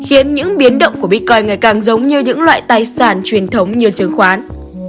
khiến những biến động của bitcoin ngày càng giống như những loại tài sản truyền thống như chứng khoán